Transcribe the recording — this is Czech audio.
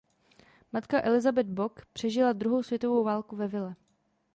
Matka Elisabeth Bock přežila druhou světovou válku ve vile.